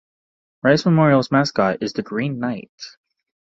Rice Memorial's mascot is the Green Knight.